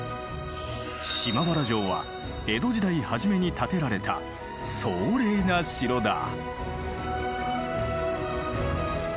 島原城は江戸時代初めに建てられた壮麗な城だ。